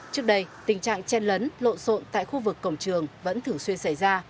trước đây tình trạng chen lấn lộn xộn tại khu vực cổng trường vẫn thường xuyên xảy ra